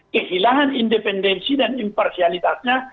kekhilangan independensi dan imparsialitasnya